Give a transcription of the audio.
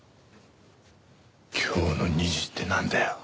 今日の２時ってなんだよ？